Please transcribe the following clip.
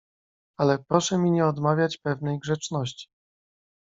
"Ale proszę mi nie odmawiać pewnej grzeczności."